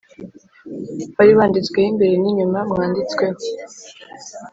wari wanditsweho imbere n,inyuma mwanditsweho